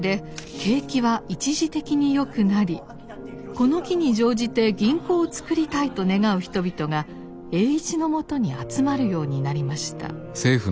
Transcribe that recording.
この機に乗じて銀行を作りたいと願う人々が栄一のもとに集まるようになりました。